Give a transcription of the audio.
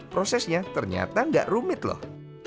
prosesnya ternyata nggak rumit loh